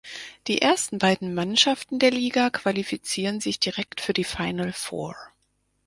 Die ersten beiden Mannschaften der Liga qualifizieren sich direkt für die Final Four.